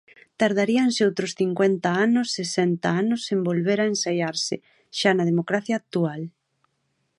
Tardaríanse outros cincuenta anos sesenta anos en volver a ensaiarse, xa na democracia actual.